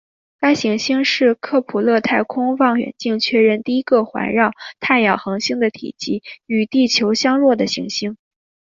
该行星是克卜勒太空望远镜确认第一个环绕类太阳恒星的体积与地球相若的行星。